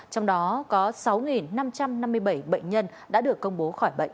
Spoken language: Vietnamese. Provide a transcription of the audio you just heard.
trong đó có sáu năm trăm năm mươi bảy bệnh nhân đã được công bố khỏi bệnh